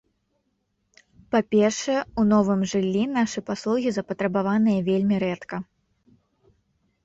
Па-першае, у новым жыллі нашы паслугі запатрабаваныя вельмі рэдка.